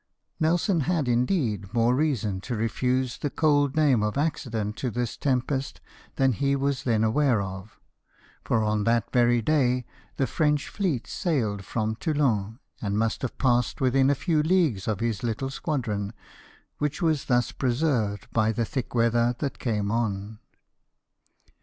Nelson had, indeed, more reason to refuse the cold name of accident to this tempest than he was then aware of; for on that very day the French fleet sailed from Toulon, and must have passed within a few leagues of his little squadron, which was thus preserved by the thick weather that came on.